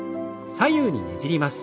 左右にねじります。